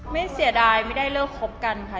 เสียดายไม่ได้เลิกคบกันค่ะ